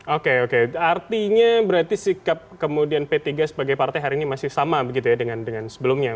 oke oke artinya berarti sikap kemudian p tiga sebagai partai hari ini masih sama begitu ya dengan sebelumnya